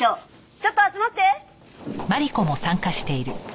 ちょっと集まって。